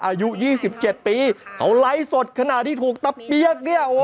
อายุ๒๗ปีเขาไลฟ์สดขณะที่ถูกตะเปี๊ยกเนี่ย